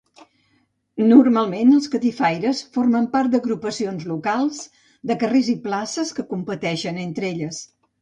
Normalment, els catifaires formen part d'agrupacions locals, de carrers i places que competeixen entre elles.